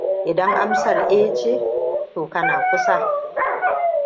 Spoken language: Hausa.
Idan amsar eh ce to kana kusa